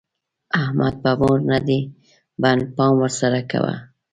احمد په مور نه دی بند؛ پام ور سره کوه.